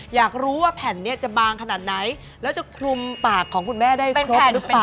อยากรู้ว่าแผ่นนี้จะบางขนาดไหนแล้วจะคลุมปากของคุณแม่ได้หรือเปล่า